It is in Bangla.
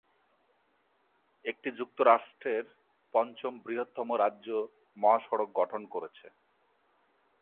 এটি যুক্তরাষ্ট্রের পঞ্চম বৃহত্তম রাজ্য মহাসড়ক গঠন করেছে।